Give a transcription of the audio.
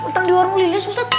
tangdiwormu lilis ustadz